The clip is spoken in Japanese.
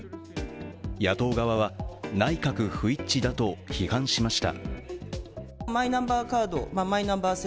野党側は、内閣不一致だと批判しました。